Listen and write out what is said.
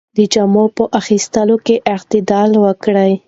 د جامو په اخیستلو کې اعتدال وکړئ.